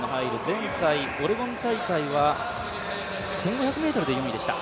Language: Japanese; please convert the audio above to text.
前回オレゴン大会は１５００ｍで４位でした。